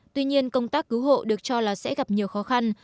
tuy nhiên công tác cứu hộ được cho là sẽ gặp nhiều khó khăn